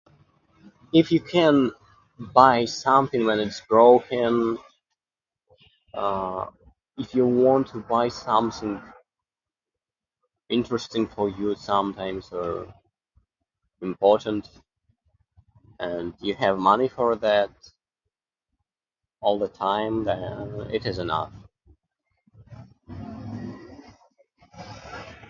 If you can buy something when it's broken, uh, if you want to buy something interesting for you sometimes, or important, and you have money for that all the time, then it is enough.